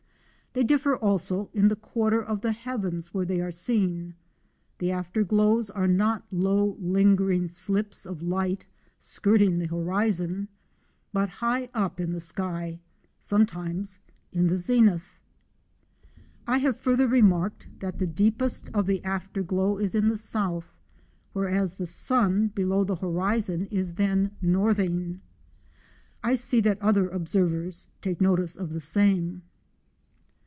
They differ also in the quarter of the heavens where they are seen. The after glows are not low lingering slips of light skirting the horizon, but high up in the sky, sometimes in the zenith. I have further remarked that the deepest of the after glow is in the south, whereas the sun below the horizon is then northing. I see that other observers take notice of the same.